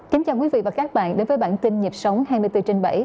kính chào quý vị và các bạn đến với bản tin nhịp sống hai mươi bốn trên bảy